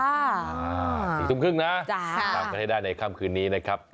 ๔ทุ่มครึ่งนะติดตามกันให้ได้ในค่ำคืนนี้นะครับ